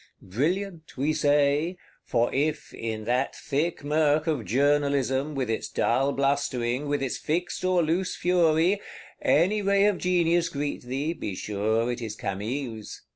Brilliant, we say: for if, in that thick murk of Journalism, with its dull blustering, with its fixed or loose fury, any ray of genius greet thee, be sure it is Camille's.